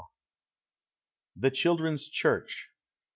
THE CHILDREN'S CHURCH.